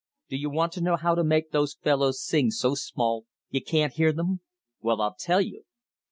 "Do you want to know how to make those fellows sing so small you can't hear them? Well, I'll tell you.